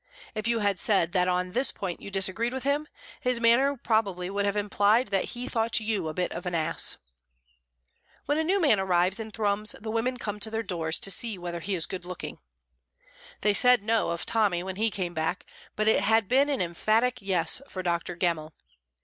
If you had said that on this point you disagreed with him, his manner probably would have implied that he thought you a bit of an ass. When a new man arrives in Thrums, the women come to their doors to see whether he is good looking. They said No of Tommy when he came back, but it had been an emphatic Yes for Dr. Gemmell.